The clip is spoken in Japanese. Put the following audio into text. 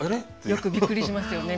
よくびっくりしますよね